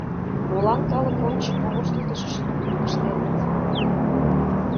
Молан калык ончыко воштылтышыш луктын пыштеныт?